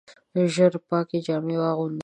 ژر پاکي جامې واغونده !